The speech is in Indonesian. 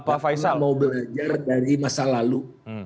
aku mau belajar dari masa lalu